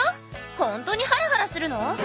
ほんとにハラハラするの？